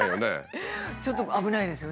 ちょっと危ないですよね。